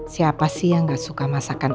siapa sih yang gak suka masakan